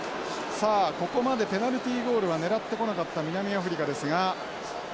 さあここまでペナルティーゴールは狙ってこなかった南アフリカですが。